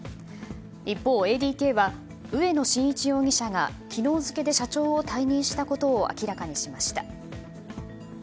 一方、ＡＤＫは植野真一容疑者が昨日付で社長を退任したことを明らかにしました。